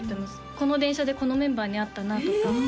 この電車でこのメンバーに会ったなとかえ！？